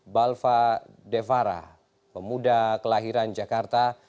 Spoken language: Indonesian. balva devara pemuda kelahiran jakarta